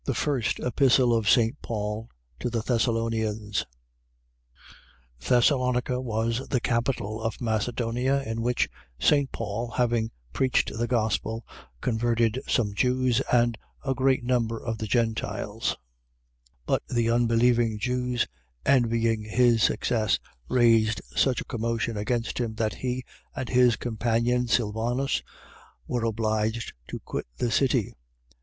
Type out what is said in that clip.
THE FIRST EPISTLE OF ST. PAUL TO THE THESSALONIANS Thessalonica was the capital of Macedonia, in which St. Paul, having preached the Gospel, converted some Jews and a great number of the Gentiles: but the unbelieving Jews, envying his success, raised such a commotion against him that he, and his companion, Sylvanus were obliged to quit the city.